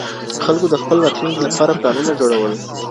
خلګو د خپل راتلونکي لپاره پلانونه جوړول.